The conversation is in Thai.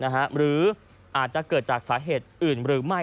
หรืออาจจะเกิดจากสาเหตุอื่นหรือไม่